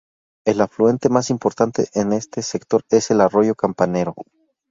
El afluente más importante en este sector es el arroyo Campanero.